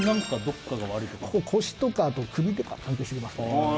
ここ腰とか首とか関係してきますね